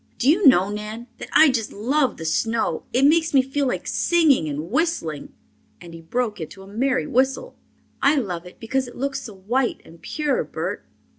"Do you know, Nan, that I just love the snow. It makes me feel like singing and whistling." And he broke into a merry whistle. "I love it because it looks so white and pure, Bert."